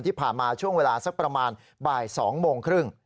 ที่ผ่านมาช่วงเวลาสักประมาณบ่าย๒โมงครึ่ง